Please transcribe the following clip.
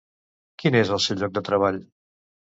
Quin és el seu lloc de treball?